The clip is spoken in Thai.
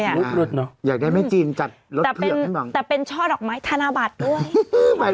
อยากได้แม่จีนจัดรถเที่ยวให้หวังแต่เป็นช่อหรอกมั้ยธนาบัตรด้วย